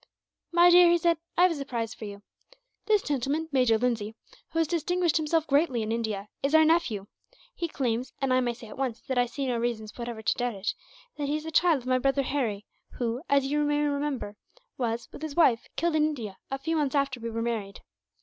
"My dear," he said, "I have a surprise for you. This gentleman, Major Lindsay, who has distinguished himself greatly in India, is our nephew. He claims, and I may say at once that I see no reasons whatever to doubt it, that he is the child of my brother Harry who, as you may remember, was, with his wife, killed in India a few months after we were married.